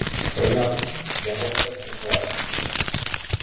Прынамсі, я магу паспрабаваць!